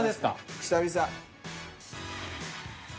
久々。